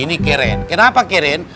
ini keren kenapa keren